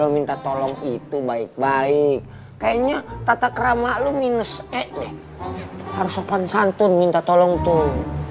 minta tolong itu baik baik kayaknya tata kerama lo minus eh harus sopan santun minta tolong tuh